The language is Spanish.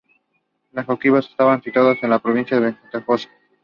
Los jacobitas estaban situados en una posición ventajosa.